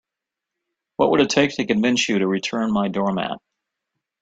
What would it take to convince you to return my doormat?